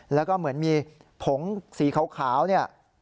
แล้วก็เหมือนมีผงสีขาวเนี่ย